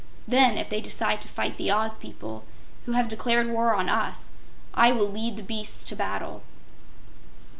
Then, if they decide to fight the Oz people, who have declared war on us, I will lead the beasts to battle."